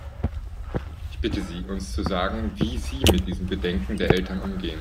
Ich bitte Sie, uns zu sagen, wie Sie mit diesen Bedenken der Eltern umgehen.